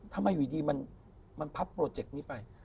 ทำไมอยู่ดีมันพับโปรเจกต์นี้ไป